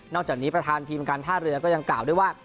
จากนี้ประธานทีมการท่าเรือก็ยังกล่าวด้วยว่า